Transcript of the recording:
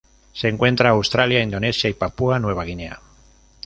Se encuentra Australia Indonesia y Papúa Nueva Guinea.